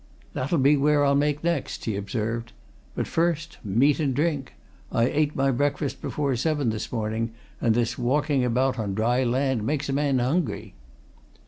"That'll be where I'll make next," he observed. "But first meat and drink. I ate my breakfast before seven this morning, and this walking about on dry land makes a man hungry."